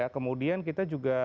kemudian kita juga